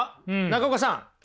中岡さん。